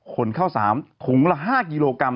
ขนข้าวสามขุงละ๕กิโลกรัม